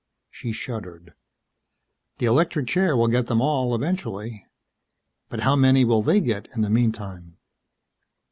She shuddered. "The electric chair will get them all, eventually." "But how many will they get in the meantime?"